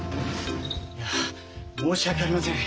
いや申し訳ありません。